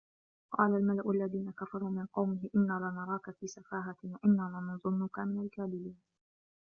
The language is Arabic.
قَالَ الْمَلَأُ الَّذِينَ كَفَرُوا مِنْ قَوْمِهِ إِنَّا لَنَرَاكَ فِي سَفَاهَةٍ وَإِنَّا لَنَظُنُّكَ مِنَ الْكَاذِبِينَ